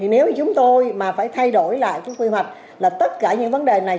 nếu chúng tôi mà phải thay đổi lại quy hoạch là tất cả những vấn đề này